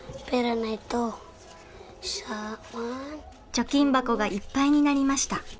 貯金箱がいっぱいになりました。